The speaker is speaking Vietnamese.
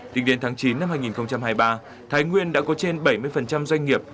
tính đến tháng chín năm hai nghìn hai mươi ba thái nguyên đã có trên bảy mươi doanh nghiệp